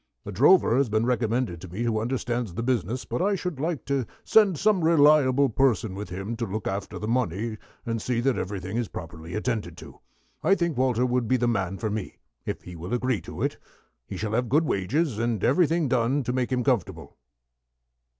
A drover has been recommended to me who understands the business, but I should like to send some reliable person with him to look after the money, and see that everything is properly attended to. I think Walter would be the man for me, if he will agree to it. He shall have good wages, and everything done to make him comfortable."